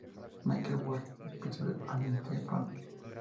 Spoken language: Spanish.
Mike Warner en el episodio "All in the Family".